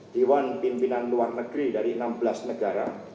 dewan pimpinan luar negeri dari enam belas negara